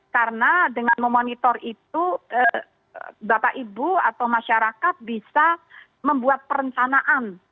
karena dengan memonitor itu bapak ibu atau masyarakat bisa membuat perencanaan